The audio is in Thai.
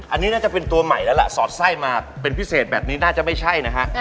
อันนี้น่าจะเป็นตัวใหม่แล้วล่ะสอดไส้มาเป็นพิเศษแบบนี้น่าจะไม่ใช่นะฮะ